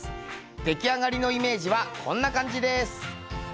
出来上がりのイメージはこんな感じです。